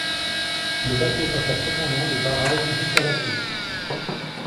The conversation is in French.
La bateau passa cependant les barrages jusqu'à la crique.